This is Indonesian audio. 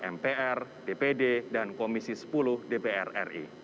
mpr dpd dan komisi sepuluh dpr ri